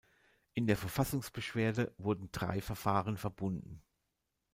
In der Verfassungsbeschwerde wurden drei Verfahren verbunden.